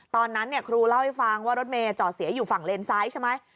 ตอนนั้นครูเล่าให้ฟังว่ารถเมย์จอดเสียอยู่ฝั่งเลนซ้ายใช่ไหม